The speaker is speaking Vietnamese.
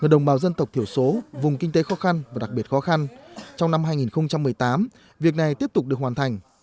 thành phố vùng kinh tế khó khăn và đặc biệt khó khăn trong năm hai nghìn một mươi tám việc này tiếp tục được hoàn thành